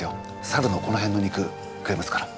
サルのこの辺の肉食えますから。